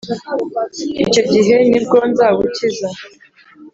icyo gihe ni bwo nzagukiza!